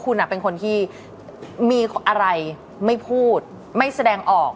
คุณเป็นคนที่มีอะไรไม่พูดไม่แสดงออก